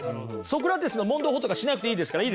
ソクラテスの問答法とかしなくていいですから。